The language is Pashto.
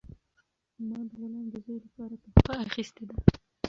ما د غلام د زوی لپاره تحفه اخیستې ده.